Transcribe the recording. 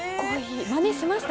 まねしました